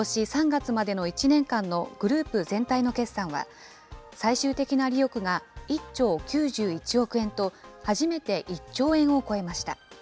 ３月までの１年間のグループ全体の決算は、最終的な利益が１兆９１億円と、初めて１兆円を超えました。